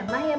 ada mah yang